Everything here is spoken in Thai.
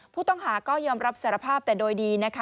ผู้ต้องหาก็ยอมรับสารภาพแต่โดยดีนะคะ